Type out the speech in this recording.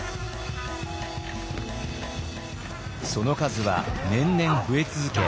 その数は年々増え続け